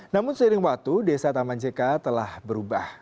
namun seiring waktu desa taman jk telah berubah